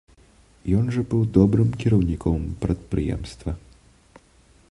Ён жа быў добрым кіраўніком прадпрыемства.